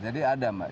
jadi ada mbak